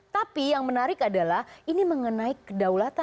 tapi yang menarik adalah ini mengenai kedaulatan